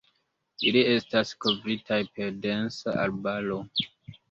Ili estas kovritaj per densa arbaro.